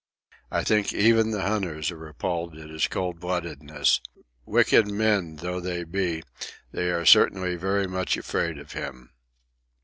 I think even the hunters are appalled at his cold bloodedness. Wicked men though they be, they are certainly very much afraid of him.